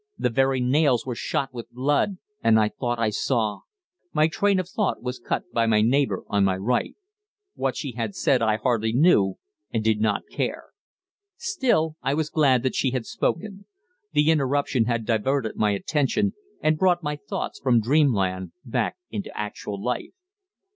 the very nails were shot with blood and I thought I saw My train of thought was cut by my neighbour on my right. What she said I hardly knew, and did not care. Still, I was glad that she had spoken. The interruption had diverted my attention, and brought my thoughts from dreamland back into actual life.